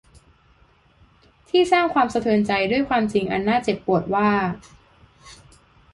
ที่สร้างความสะเทือนใจด้วยความจริงอันน่าเจ็บปวดว่า